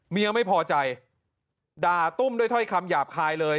เมียไม่พอใจด่าตุ้มด้วยถ้อยคำหยาบคายเลย